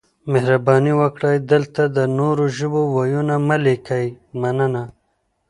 مهرباني وکړئ دلته د نورو ژبو وييونه مه لیکئ مننه